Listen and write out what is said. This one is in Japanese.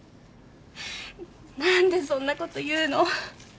何でそんなこと言うの？